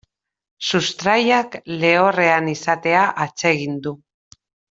Sustraiak lehorrean izatea atsegin du.